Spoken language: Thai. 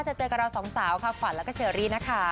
จะเจอกันกับเรา๒สาวควันแล้วกับเฉอรีนะคะ